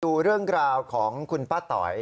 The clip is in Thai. ดูเรื่องราวของคุณป้าต๋อย